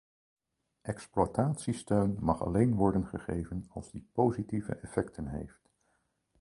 Exploitatiesteun mag alleen worden gegeven als die positieve effecten heeft.